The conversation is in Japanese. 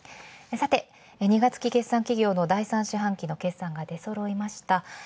さて２月期決算企業の第３決算が出揃いました。